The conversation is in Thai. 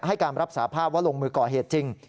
ให้การรับสาภาพว่าลงมือก่อเหตุจริง